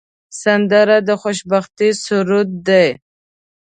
سندره د خوشبختۍ سرود دی